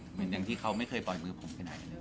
เหมือนอย่างที่เขาไม่เคยปล่อยมือผมไปไหนเลย